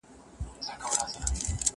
زه به پلان جوړ کړی وي!؟